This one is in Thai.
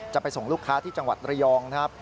จะไปส่งลูกค้าที่จังหวัดระยองนะครับ